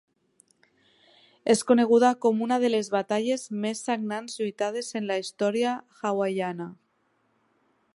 És coneguda com una de les batalles més sagnants lluitades en la història hawaiana.